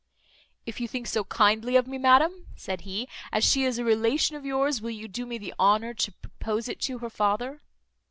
"If you think so kindly of me, madam," said he, "as she is a relation of yours, will you do me the honour to propose it to her father?"